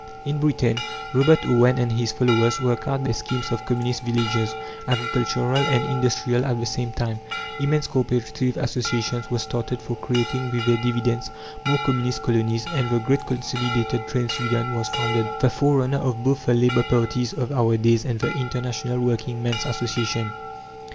In Britain, Robert Owen and his followers worked out their schemes of communist villages, agricultural and industrial at the same time; immense co operative associations were started for creating with their dividends more communist colonies; and the Great Consolidated Trades' Union was founded the forerunner of both the Labour Parties of our days and the International Working men's Association.